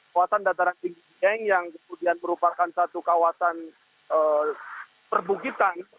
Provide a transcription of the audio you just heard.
kawasan dataran tinggi dieng yang kemudian merupakan satu kawasan perbukitan